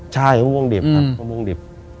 ใช่มะม่วงดิบครับมะม่วงดิบ